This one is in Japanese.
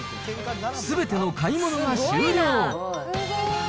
すべての買い物が終了。